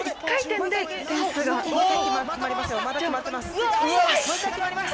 まだ決まってます